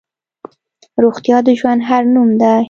روغتیا د ژوند هر نوم دی.